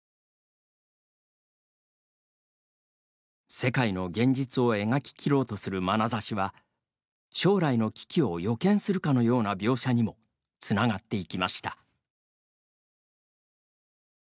世界の現実を描ききろうとするまなざしは将来の危機を予見するかのような描写にもつながっていきました。